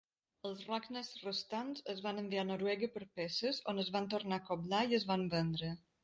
Els Rocknes restants es van enviar a Noruega per peces, on es van tornar a acoblar i es van vendre.